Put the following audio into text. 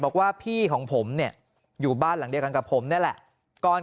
บอกว่าพี่ของผมเนี่ยอยู่บ้านหลังเดียวกันกับผมนี่แหละ